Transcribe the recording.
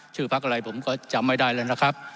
พักอะไรผมก็จำไม่ได้แล้วนะครับ